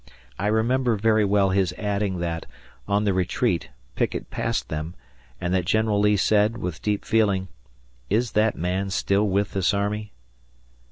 I remember very well his adding that, on the retreat, Pickett passed them, and that General Lee said, with deep feeling, "Is that man still with this army?"